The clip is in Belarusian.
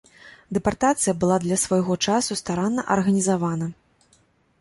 Дэпартацыя была для свайго часу старанна арганізавана.